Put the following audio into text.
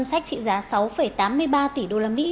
sách trị giá sáu tám mươi ba tỷ usd